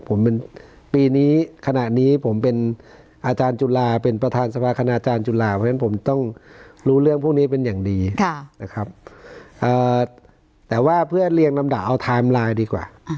ผมเป็นปีนี้ขณะนี้ผมเป็นอาจารย์จุฬาเป็นประธานสภาคณาจารย์จุฬาเพราะฉะนั้นผมต้องรู้เรื่องพวกนี้เป็นอย่างดีนะครับแต่ว่าเพื่อเรียงลำดับเอาไทม์ไลน์ดีกว่า